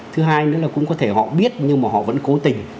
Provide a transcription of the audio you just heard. thứ hai nữa là cũng có thể họ biết nhưng mà họ vẫn cố tình